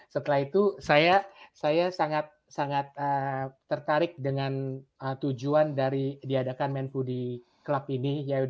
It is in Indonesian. setelah itu saya sangat tertarik dengan tujuan dari diadakan men s foodie club ini